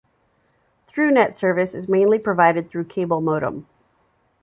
Thrunet service is mainly provided through cable modem.